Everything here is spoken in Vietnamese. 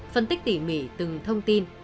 phân tích tỉ mỉ từng thông tin